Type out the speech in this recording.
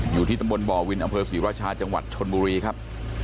อยู่ที่ตำบลบ่อวินอำเภอศรีราชาจังหวัดชนบุรีครับ